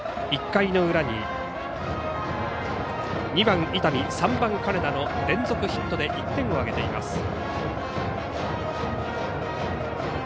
１回の裏に２番、伊丹、３番、金田の連続ヒットで１点を挙げています。